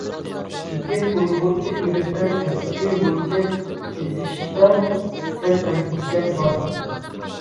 لېكىن، ئۇيغۇرچە ئېلىپبە تەرتىپى بويىچە تىزىشتا سەل ئەندىشەم بار.